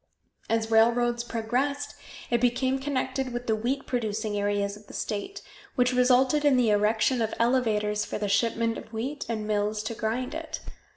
As railroads progressed, it became connected with the wheat producing areas of the state, which resulted in the erection of elevators for the shipment of wheat and mills to grind it.